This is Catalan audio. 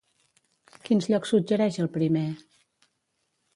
Quins llocs suggereix el primer?